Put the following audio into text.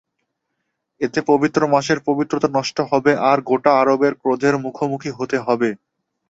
এতে পবিত্র মাসের পবিত্রতা নষ্ট হবে আর গোটা আরবের ক্রোধের মুখোমুখী হতে হবে।